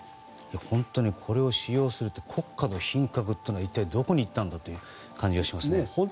本当にこれを使用するとは国家の品格はどこにいったんだという感じがしますね。